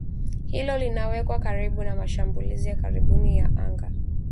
Hilo linawaweka karibu na mashambulizi ya karibuni ya anga